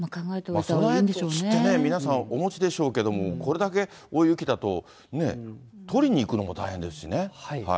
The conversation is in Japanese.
皆さん、備えとしてお持ちでしょうけども、これだけ大雪だと、ね、取りに行くのも大変ですしね。